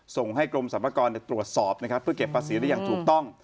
ส่งให้กรมสรรพากรตรวจสอบนะครับเพื่อเก็บภาษีได้อย่างถูกต้อง